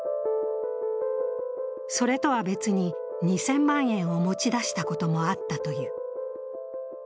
それとは別に、２０００万円を持ち出したこともあったという。